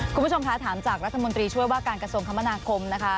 คุณผู้ชมคะถามจากรัฐมนตรีช่วยว่าการกระทรวงคมนาคมนะคะ